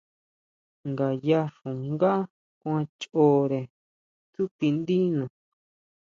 Ngayá xungá kuan choʼre tsútindina.